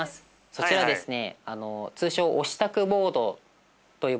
そちらですね